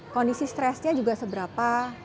kondisi stresnya juga seberapa